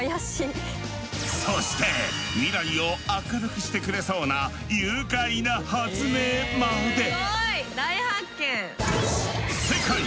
そして未来を明るくしてくれそうな愉快な発明まで。